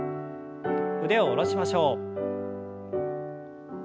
腕を下ろしましょう。